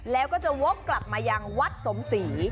แล้วก็จะวกกลับมายังวัดสมศรี